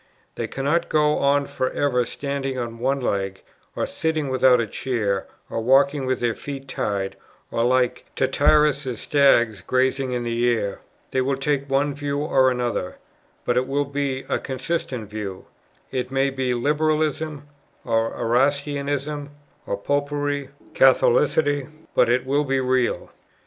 They cannot go on for ever standing on one leg, or sitting without a chair, or walking with their feet tied, or like Tityrus's stags grazing in the air. They will take one view or another, but it will be a consistent view. It may be Liberalism, or Erastianism, or Popery, or Catholicity; but it will be real."